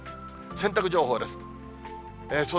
洗濯情報です。